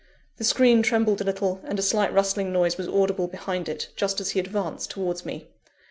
The screen trembled a little, and a slight rustling noise was audible behind it, just as he advanced towards me.